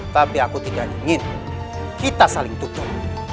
tapi aku tidak ingin kita saling tutup